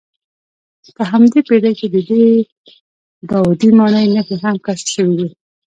په همدې پېړۍ کې د دې داودي ماڼۍ نښې هم کشف شوې دي.